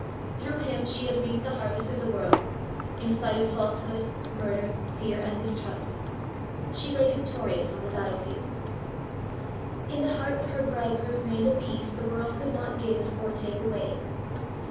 Through him she had reaped the harvest of the world, in spite of falsehood, murder, fear, and distrust! She lay victorious on the battlefield! In the heart of her bridegroom reigned a peace the world could not give or take away.